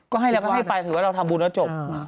ก็ให้แล้วก็ให้ไปถือว่าเราทำบุญแล้วจบ